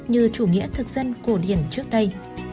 như chủ nghĩa thực dân cổ điển trước đây